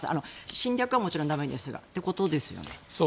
侵略はもちろん駄目ですがってことですよね。